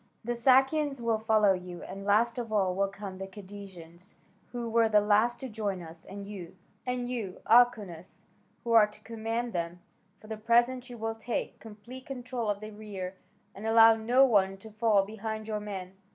The Sakians will follow you, and last of all will come the Cadousians, who were the last to join us, and you, Alkeunas, who are to command them, for the present you will take complete control of the rear, and allow no one to fall behind your men.